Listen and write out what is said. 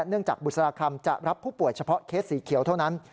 จากบุษราคำจะรับผู้ป่วยเฉพาะเคสสีเขียวเท่านั้น